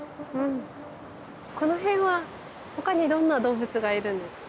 この辺はほかにどんな動物がいるんですか？